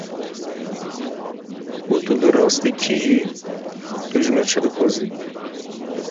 Û tu bi rastî kî yî, tu ji me çi dixwazî?